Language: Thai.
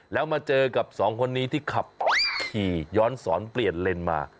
แล้วมาเจอกับสองคนนี้ที่ขับขี่ย้อนสอนเปลี่ยนเลนมา